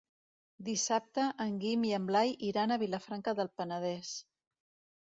Dissabte en Guim i en Blai iran a Vilafranca del Penedès.